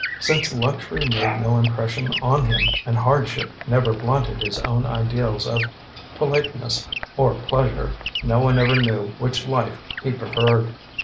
Since luxury made no impression on him, and hardship never blunted his own ideals of politeness or pleasure, no one ever knew which life he preferred.